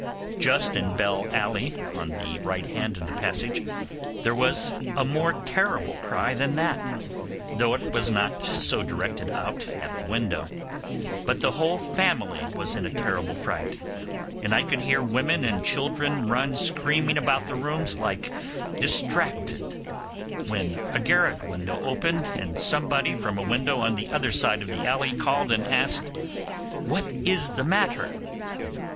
Just in Bell Alley, on the right hand of the passage, there was a more terrible cry than that, though it was not so directed out at the window; but the whole family was in a terrible fright, and I could hear women and children run screaming about the rooms like distracted, when a garret window opened and somebody from a window on the other side the alley called and asked, 'What is the matter?